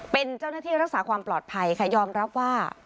เป็นเจ้าหน้าที่รักษาความปลอดภัยค่ะยอมรับว่า